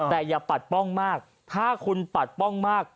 แต่อย่าปัดป้องมากถ้าคุณปัดป้องมาก